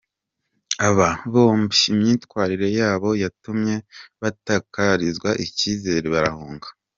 Aba bombi imyitwarire yabo yatumye batakarizwa icyizere, barahunga.